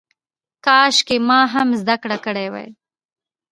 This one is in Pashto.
کاشکې ما هم زده کړه کړې وای.